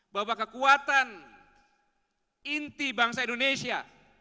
bahwa kekuatan inti bangsa indonesia